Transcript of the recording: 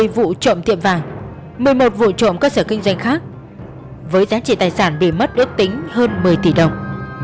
một mươi một vụ trộm cơ sở kinh doanh khác với giá trị tài sản bị mất ước tính hơn một mươi tỷ đồng